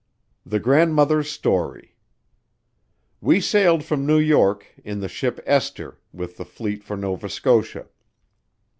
THE GRANDMOTHER'S STORY. We sailed from New York in the ship "Esther" with the fleet for Nova Scotia.